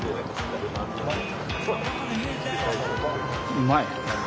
うまい！